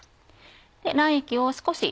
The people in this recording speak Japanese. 卵液を少し。